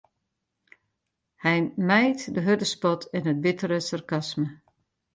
Hy mijt de hurde spot en it bittere sarkasme.